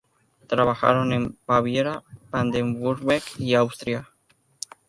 Trabajaron en Baviera, Baden-Würrtemberg y Austria.